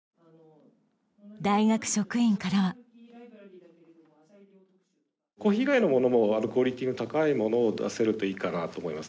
大学職員からはコーヒー以外のものもクオリティーの高いものを出せるといいかなと思います